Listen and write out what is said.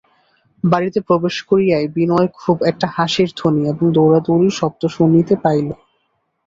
বাড়িতে প্রবেশ করিয়াই বিনয় খুব একটা হাসির ধ্বনি এবং দৌড়াদৌড়ির শব্দ শুনিতে পাইল।